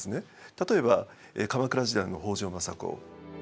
例えば鎌倉時代の北条政子。